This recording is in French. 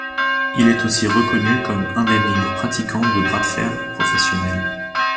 Il est aussi reconnu comme un des meilleurs pratiquants de bras de fer professionnel.